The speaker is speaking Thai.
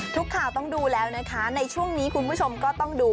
ทุกข่าวต้องดูแล้วนะคะในช่วงนี้คุณผู้ชมก็ต้องดู